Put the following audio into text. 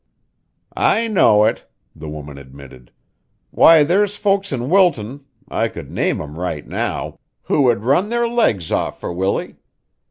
"I know it," the woman admitted. "Why, there's folks in Wilton (I could name 'em right now) who would run their legs off for Willie.